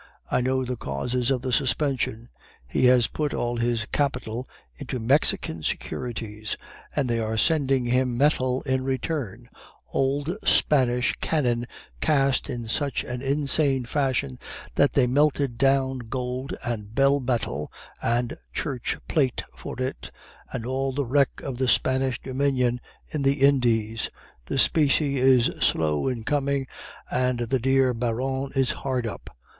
I know the causes of the suspension. He has put all his capital into Mexican securities, and they are sending him metal in return; old Spanish cannon cast in such an insane fashion that they melted down gold and bell metal and church plate for it, and all the wreck of the Spanish dominion in the Indies. The specie is slow in coming, and the dear Baron is hard up.